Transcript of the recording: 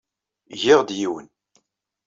Giɣ-d yiwen.